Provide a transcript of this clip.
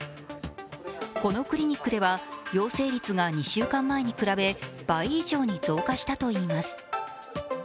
このクリニックでは陽性率が２週間前に比べ倍以上に増加したといいます。